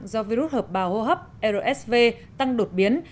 do virus hợp bào hô hấp rsv tăng đột biến